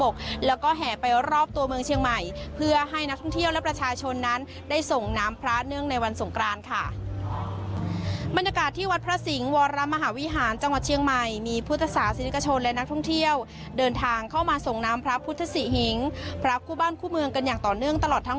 บุษบกแล้วก็แห่ไปรอบตัวเมืองเชียงใหม่เพื่อให้นักท่องเที่ยวและประชาชนนั้นได้ส่งน้ำพระเนื่องในวันสงครานค่ะบรรยากาศที่วัดพระสิงห์วรรมมหาวิหารจังหวัดเชียงใหม่มีพุทธศาสตร์ศิริกชนและนักท่องเที่ยวเดินทางเข้ามาส่งน้ำพระพุทธศิหิงพระคู่บ้านคู่เมืองกันอย่างต่อเนื่องตล